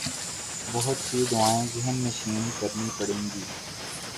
بہت سی دعائیں ذہن نشین کرنی پڑیں گی۔